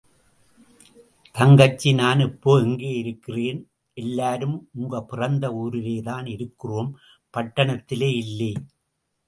தங்கச்சி, நான் இப்போ எங்கே இருக்கிறேன்? எல்லாரும் உங்க பிறந்த ஊரிலேதான் இருக்கிறோம்– பட்டணத்திலே இல்லே!